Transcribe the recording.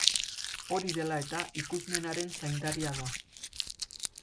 Hori dela eta ikusmenaren zaindaria da.